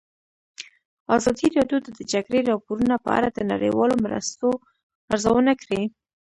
ازادي راډیو د د جګړې راپورونه په اړه د نړیوالو مرستو ارزونه کړې.